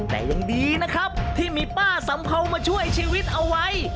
แต่ยังดีนะครับที่มีป้าสัมเภามาช่วยชีวิตเอาไว้